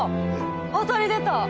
あたり出た！